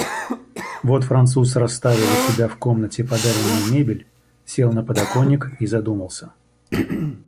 Вот француз расставил у себя в комнате подаренную мебель, сел на подоконник и задумался.